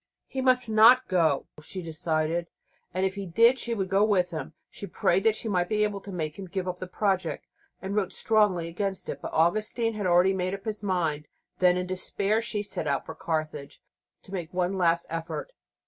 He must not go, she decided, or if he did she would go with him. She prayed that she might be able to make him give up the project, and wrote strongly against it; but Augustine had already made up his mind. Then, in despair, she set out for Carthage to make one last effort.